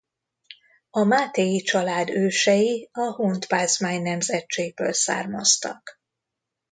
A Mátéi család ősei a Hontpázmány nemzetségből származtak.